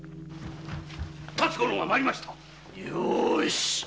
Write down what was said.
辰五郎が参りましたよし。